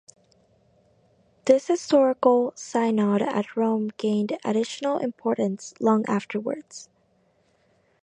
This historical synod at Rome gained additional importance long afterwards.